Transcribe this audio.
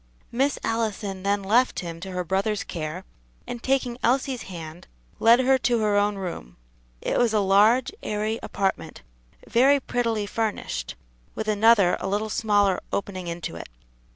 Miss Allison then left him to her brother's care, and taking Elsie's hand, led her to her own room. It was a large, airy apartment, very prettily furnished, with another a little smaller opening into it.